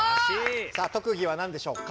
さあ特技はなんでしょうか？